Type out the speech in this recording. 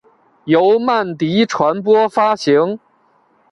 由曼迪传播发行。